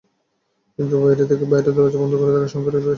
কিন্তু বাইরে থেকে ঘরের দরজা বন্ধ থাকায় শঙ্করী চিৎকার করতে থাকেন।